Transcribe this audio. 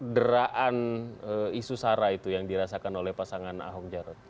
deraan isu sara itu yang dirasakan oleh pasangan ahok jarot